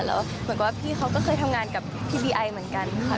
แล้วเหมือนกับว่าพี่เขาก็เคยทำงานกับพี่บีไอเหมือนกันค่ะ